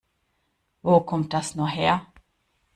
Wo kommt das nur her?